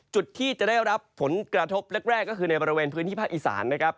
จุดที่จะได้รับผลกระทบแรกก็คือในบริเวณพื้นที่ภาคอีสานนะครับ